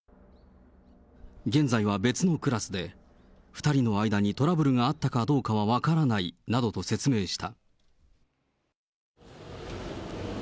現在は別のクラスで、２人の間にトラブルがあったかどうかは分からないなどと説明した。